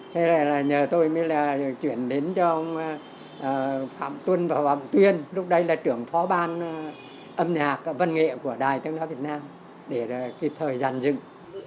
thế là nhờ tôi mới là chuyển đến cho ông phạm tuân và phạm tuyên lúc đây là trưởng phó ban âm nhạc và văn nghệ của đài tiếng nói việt nam để cái thời gian dựng